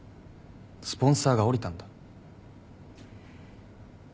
スポンサーが降りたんだ。